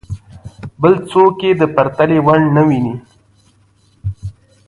بل څوک یې د پرتلې وړ نه ویني.